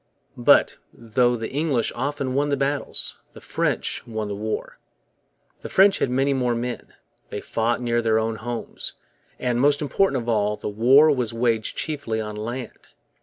But, though the English often won the battles, the French won the war. The French had many more men, they fought near their own homes, and, most important of all, the war was waged chiefly on land.